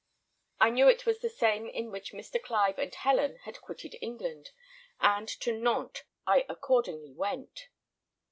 I knew it was the same in which Mr. Clive and Helen had quitted England, and to Nantes I accordingly went.